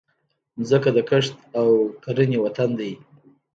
مځکه د کښت او کرنې وطن دی.